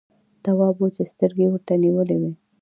تواب وچې سترګې ورته نيولې وې…